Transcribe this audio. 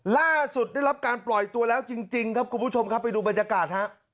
ล่าสุดได้รับการปล่อยตัวแล้วจริงครับคุณผู้ชมครับไปดูบรรยากาศฮะ